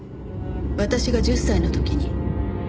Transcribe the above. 私が１０歳の時に。